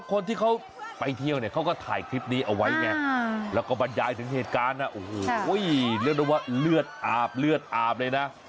คลิปนี้เอาไว้เนี่ยแล้วก็บรรยายถึงเหตุการณ์โอ้โหเรียกได้ว่าเลือดอาบเลือดอาบเลยนะ